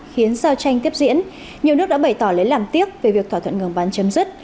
khiến giao tranh tiếp diễn nhiều nước đã bày tỏ lấy làm tiếc về việc thỏa thuận ngừng bắn chấm dứt